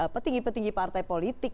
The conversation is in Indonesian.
petinggi petinggi partai politik